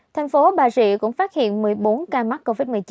thành phố bà rịa cũng phát hiện một mươi bốn ca mắc covid một mươi chín